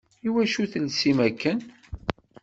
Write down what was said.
Iwacu telsim akken?